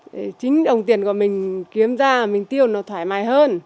để chính đồng tiền của mình kiếm ra mình tiêu nó thoải mái hơn